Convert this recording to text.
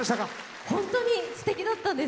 本当にすてきだったんです。